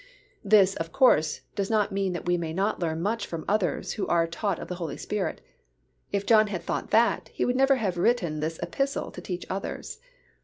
This, of course, does not mean that we may not learn much from others who are taught of the Holy Spirit. If John had thought that he would never have written this epistle to teach others.